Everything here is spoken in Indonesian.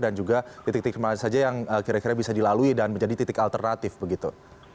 juga titik titik mana saja yang kira kira bisa dilalui dan menjadi titik alternatif begitu